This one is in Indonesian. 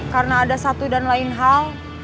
karena ada satu dan lain hal